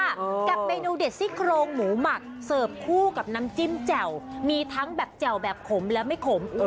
กับเมนูเด็ดซี่โครงหมูหมักเสิร์ฟคู่กับน้ำจิ้มแจ่วมีทั้งแบบแจ่วแบบขมและไม่ขม